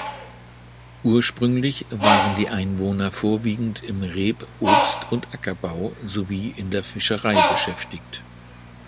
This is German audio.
Ursprünglich waren die Einwohner vorwiegend im Reb-, Obst- und Ackerbau sowie der Fischerei beschäftigt.